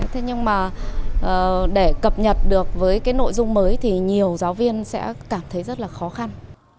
thế nhưng mà để cập nhật được với cái nội dung mới thì nhiều giáo viên sẽ cảm thấy rất là khó khăn